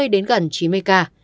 bốn mươi đến gần chín mươi ca